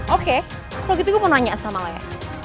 oke kalau gitu gue mau nanya sama lea